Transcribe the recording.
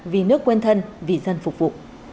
vì nước quên thân vì dân phục vụ